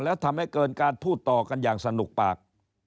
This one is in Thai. แล้วทำให้เกินการพูดต่อกันอย่างสนุกปาก